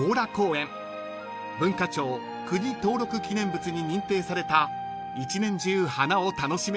［文化庁国登録記念物に認定された１年中花を楽しめる公園です］